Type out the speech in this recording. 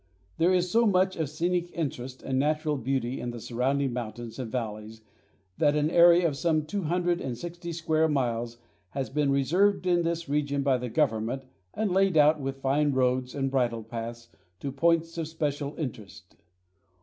There is so much of scenic interest and natural beauty in the surrounding mountains and valleys, that an area of some two hundred and sixty square miles has been reserved in this region by the government and laid out with fine roads and bridle paths to points of special interest.